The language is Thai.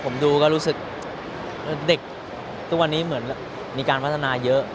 ผมดูก็รู้สึกเด็กทุกวันนี้เหมือนมีการพัฒนาเยอะ